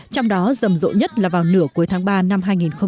trong đó rầm rộ nhất là vào nửa cuối tháng ba năm hai nghìn một mươi chín